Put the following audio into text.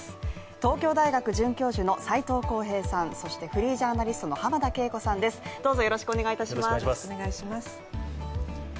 東京大学准教授の斎藤幸平さんそしてフリージャーナリストの浜田敬子さんです、よろしくお願いします。